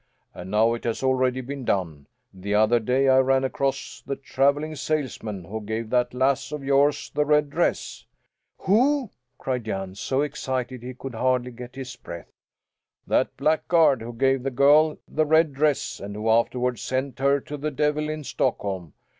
And now it has already been done. The other day I ran across the travelling salesman who gave that lass of yours the red dress." "Who?" cried Jan, so excited he could hardly get his breath. "That blackguard who gave the girl the red dress and who afterward sent her to the devil in Stockholm.